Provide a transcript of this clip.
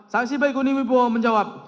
saksi baikuni wibowo menjawab